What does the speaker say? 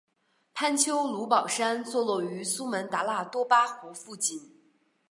潘丘卢保山坐落于苏门答腊多巴湖附近。